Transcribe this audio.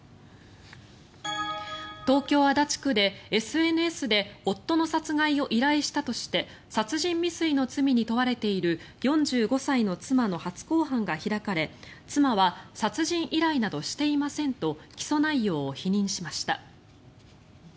東京・足立区で、ＳＮＳで夫の殺害を依頼したとして殺人未遂の罪に問われている４５歳の妻の初公判が開かれ妻は殺人依頼などしていませんと起訴内容を否認しました。